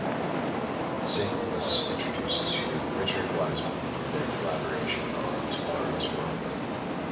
Singh was introduced to Richard Wiseman through their collaboration on"Tomorrow's World".